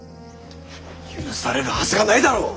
許されるはずがないだろう！